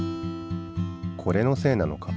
これのせいなのか？